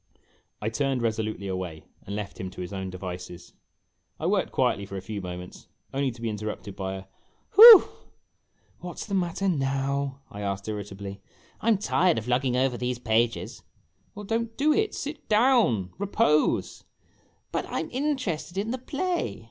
I turned resolutely away and left him to his own devices. I worked quietly for a few moments, only to be interrupted by a "Whew!" "What 's the matter now?" I asked, irritably. " I 'm tired of lugging over these pages !" "Well, don't do it. Sit down. Repose." " But I 'm interested in the play